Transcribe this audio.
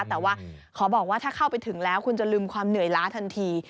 แต่ว่าขอบอกว่าถ้าเข้าไปถึงแล้วคุณจะลืมความเหนื่อยล้าทันที